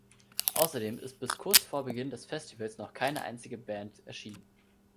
Außerdem ist bis kurz vor Beginn des Festivals noch keine einzige Band erschienen.